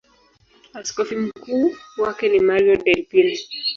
Askofu mkuu wake ni Mario Delpini.